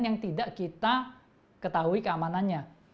yang tidak kita ketahui keamanannya